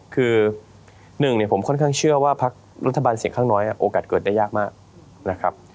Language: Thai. คือหนึ่งเนี่ยผมค่อนข้างเชื่อว่าพักรัฐบาลเสียงข้างน้อยโอกาสเกิดได้ยากมากนะครับ